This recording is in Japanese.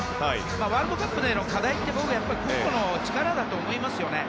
ワールドカップで出た課題は個々の力だと思いますよね。